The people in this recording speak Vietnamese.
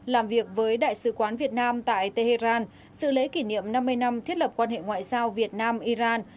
làm việc với đại sứ quán việt nam tại tehran sự lễ kỷ niệm năm mươi năm thiết lập quan hệ ngoại giao việt nam iran